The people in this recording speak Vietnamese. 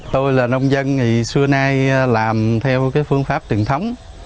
tôi là nông dân ngày xưa nay làm theo cái phương pháp truyền thống